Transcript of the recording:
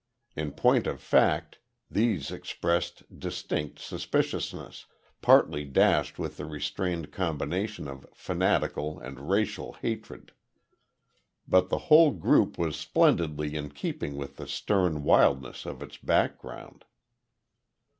In point of fact these expressed distinct suspiciousness, partly dashed with a restrained combination of fanatical and racial hatred. But the whole group was splendidly in keeping with the stern wildness of its background.